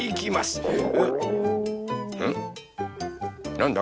なんだ？